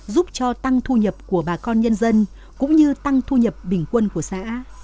giúp cho tăng thu nhập của bà con nhân dân cũng như tăng thu nhập bình quân của xã